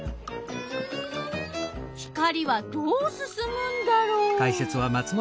光はどうすすむんだろう？